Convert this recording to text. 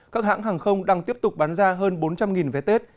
các hãng hàng không đang tiếp tục bán ra hơn bốn trăm linh vé tết